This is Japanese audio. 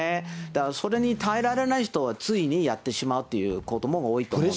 それに耐えられない人は、ついにやってしまうということも多いと思います。